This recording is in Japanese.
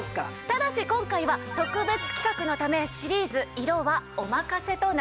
ただし今回は特別企画のためシリーズ色はお任せとなります。